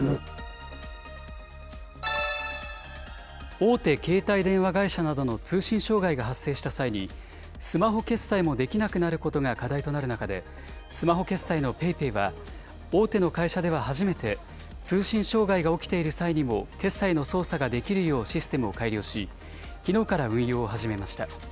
大手携帯電話会社などの通信障害が発生した際に、スマホ決済もできなくなることが課題となる中で、スマホ決済のＰａｙＰａｙは、大手の会社では初めて、通信障害が起きている際にも、決済の操作ができるようシステムを改良し、きのうから運用を始めました。